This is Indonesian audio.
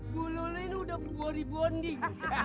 gue lo udah dibonding